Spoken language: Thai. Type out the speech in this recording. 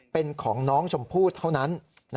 เป็นของน้องชมพู่เท่านั้น